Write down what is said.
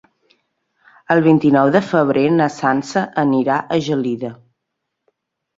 El vint-i-nou de febrer na Sança anirà a Gelida.